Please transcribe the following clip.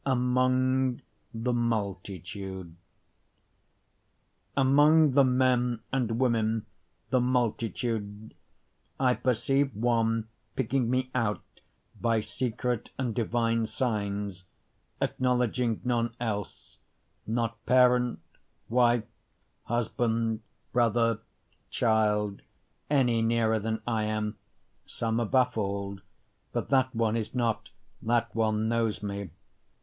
Among the Multitude Among the men and women the multitude, I perceive one picking me out by secret and divine signs, Acknowledging none else, not parent, wife, husband, brother, child, any nearer than I am, Some are baffled, but that one is not that one knows me.